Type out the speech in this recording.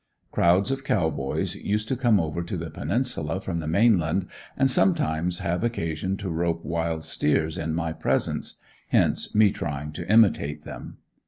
Crowds of Cow Boys used to come over to the Peninsula from the mainland and sometimes have occasion to rope wild steers in my presence hence me trying to imitate them.